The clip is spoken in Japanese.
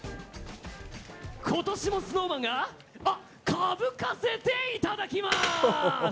ことしもＳｎｏｗＭａｎが、かぶかせていただきます。